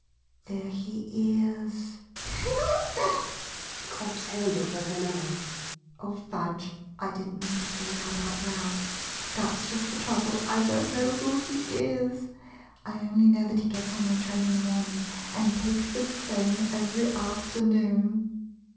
] Oh, there he is! [.Giggles, and claps hand over her mouth.'] Oh, fudge — I did n't mean to say that out 50 SUBURBANITES loud ! That 's just the trouble — I don't know who he is. I only know that he gets on my train in the morning, and he takes this train every afternoon.